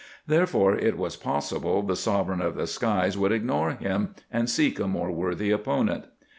Therefore it was possible the sovereign of the skies would ignore him and seek a more worthy opponent.